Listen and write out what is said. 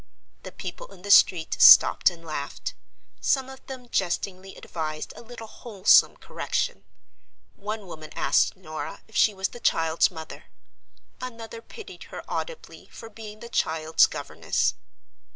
The people in the street stopped and laughed; some of them jestingly advised a little wholesome correction; one woman asked Norah if she was the child's mother; another pitied her audibly for being the child's governess.